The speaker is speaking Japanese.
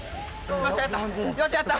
よしやった。